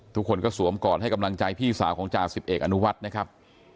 ทุกคนก็สวมกอดให้กำลังใจพี่สาวของจ่าสิบเอกอนุวัฒน์นะครับ